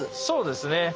そうですね。